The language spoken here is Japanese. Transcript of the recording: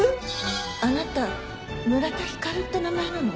あなた村田光って名前なの？